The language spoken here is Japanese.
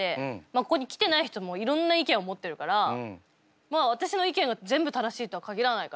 ここに来てない人もいろんな意見を持ってるから私の意見が全部正しいとは限らないから。